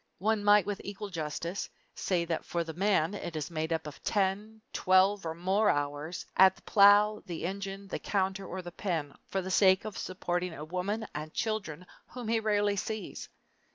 One might with equal justice say that for the man it is made up of ten, twelve, or more hours, at the plow, the engine, the counter, or the pen for the sake of supporting a woman and children whom he rarely sees!